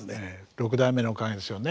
六代目のおかげですよね。